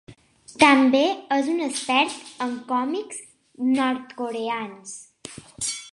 També és un expert en còmics nord-coreans.